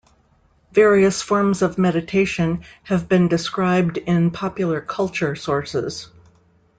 Various forms of meditation have been described in popular culture sources.